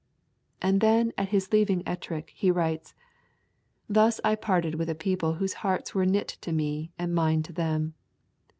And then at his leaving Ettrick, he writes: 'Thus I parted with a people whose hearts were knit to me and mine to them.